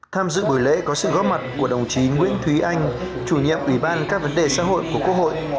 tham dự buổi lễ có sự góp mặt của đồng chí nguyễn thúy anh chủ nhiệm ủy ban các vấn đề xã hội của quốc hội